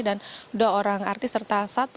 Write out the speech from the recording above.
dan dua orang artis serta satu